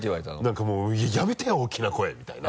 何かもう「やめてよ大きな声」みたいな。